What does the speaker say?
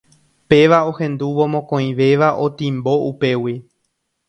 Péva ohendúvo mokõivéva otimbo upégui.